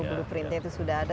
blueprintnya itu sudah ada